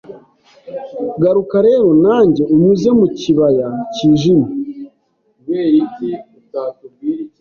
Garuka rero nanjye unyuze mu kibaya cyijimye